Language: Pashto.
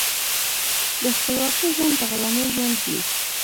بې خپلواکۍ ژوند د غلامۍ ژوند دی.